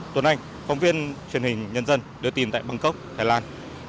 tuấn anh phóng viên truyền hình nhân dân đưa tin tại bangkok thái lan